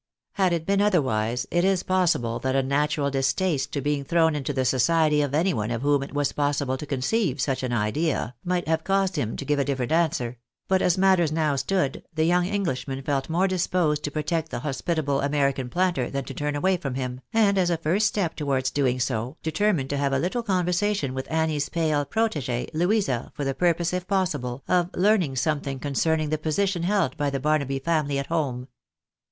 Had it been otherwise, it is possible that a natural distaste to being thrown into the society of any one of whom it was possible to conceive suclti an idea, might have caused him to give a different answer ; but as matters now stood, the young Englishman felt more disposed to protect tlie hospitable American planter than to turn away from him, and as a first step towards doing so, determined to have a little conversation with Annie's pale protegee, Louisa, for the purpose, if possible, of learning something concerning the position held by the Barnaby family at home.